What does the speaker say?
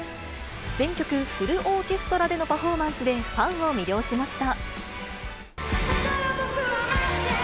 全曲フルオーケストラでのパフォーマンスで、ファンを魅了しました。